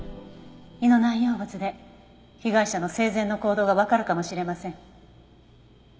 胃の内容物で被害者の生前の行動がわかるかもしれません。